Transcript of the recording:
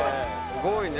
すごいね。